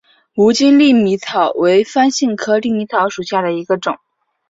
无茎粟米草为番杏科粟米草属下的一个种。